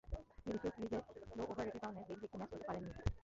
ত্রিদেশীয় সিরিজে slow over রেটের কারণে বেইলি একটি ম্যাচ খেলতে পারেননি।